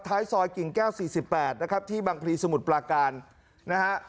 ท้ายซอยกิ่งแก้วสี่สิบแปดนะครับที่บางพิธีสมุทรปราการนะฮะ